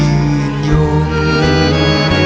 จริงยุ่ง